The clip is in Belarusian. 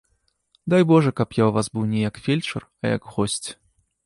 Дай божа, каб я ў вас быў не як фельчар, а як госць.